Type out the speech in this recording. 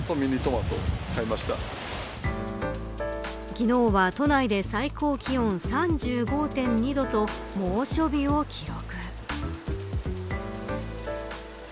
昨日は都内で最高気温３５．２度と猛暑日を記録。